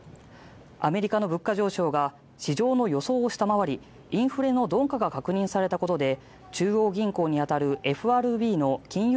アメリカの物価上昇が市場の予想を下回り、インフレの鈍化が確認されたことで中央銀行にあたるＦＲＢの金融